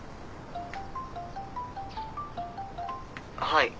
はい。